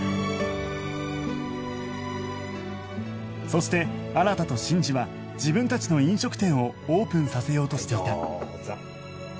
そして新と信二は自分たちの飲食店をオープンさせようとしていた